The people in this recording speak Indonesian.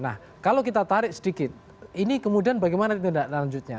nah kalau kita tarik sedikit ini kemudian bagaimana tindak lanjutnya